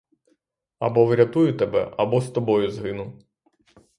Або врятую тебе, або з тобою згину!